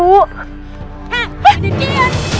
hah ada dia